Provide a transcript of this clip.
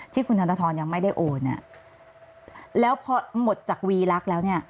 ที่คุณธนทรยังไม่ได้โอนเนี่ยแล้วพอหมดจากวีลักษณ์แล้วเนี่ย